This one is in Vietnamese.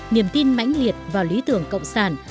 niềm tin mãnh liệt vào lý tưởng cộng sản